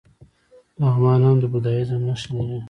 لغمان هم د بودیزم نښې لري